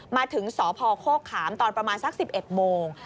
มาถึงสพโคกขามตอนประมาณสัก๑๑โมง